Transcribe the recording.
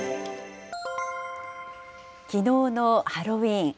きのうのハロウィーン。